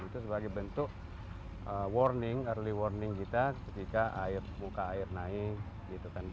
itu sebagai bentuk warning early warning kita ketika air muka air naik gitu kan